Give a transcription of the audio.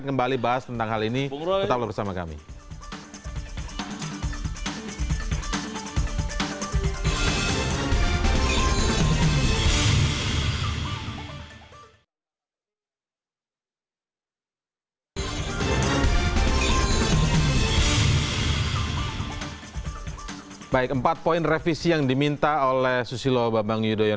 kita tahan dulu ya